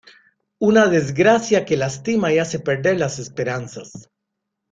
Una desgracia que lastima y hace perder las esperanzas.